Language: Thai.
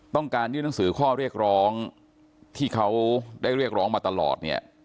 ต้องการยื่นหนังสือข้อเรียกร้องที่เขาได้เรียกร้องมาตลอดเนี่ย